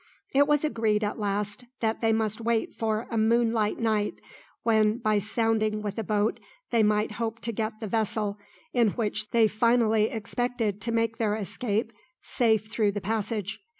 It was agreed at last that they must wait for a moonlight night, when by sounding with a boat they might hope to get the vessel, in which they finally expected to make their escape, safe through the passage.